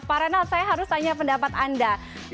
pak renat saya harus tanya pendapat anda